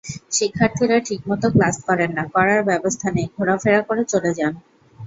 শিক্ষার্থীরা ঠিকমতো ক্লাস করেন না, করার ব্যবস্থা নেই, ঘোরাফেরা করে চলে যান।